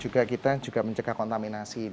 ya baru saya mau misalkan setelah famously menyebut